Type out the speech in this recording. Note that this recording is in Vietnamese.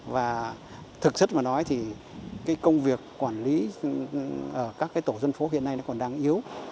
và thực sự mà nói thì công việc quản lý các tổ dân phố hiện nay còn đang yếu